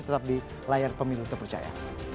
tetap di layar pemilu terpercaya